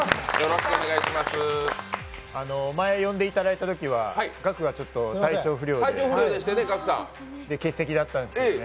前呼んでいただいたときは、ガクが体調不良で、欠席だったんですけどね。